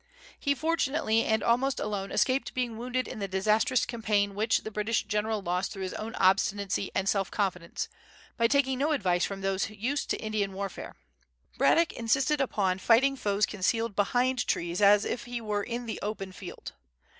He fortunately and almost alone escaped being wounded in the disastrous campaign which the British general lost through his own obstinacy and self confidence, by taking no advice from those used to Indian warfare. Braddock insisted upon fighting foes concealed behind trees, as if he were in the open field.